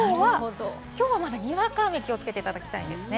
きょうはまだにわか雨に気をつけていただきたいですね。